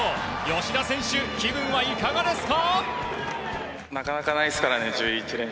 吉田選手、気分はいかがですか？